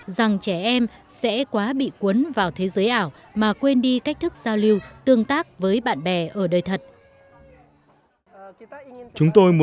đứa trẻ đang đau ốm